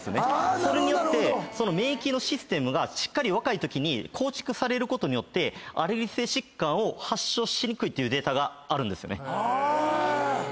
それによって免疫のシステムがしっかり若いとき構築されることによってアレルギー性疾患を発症しにくいっていうデータがあるんですよね。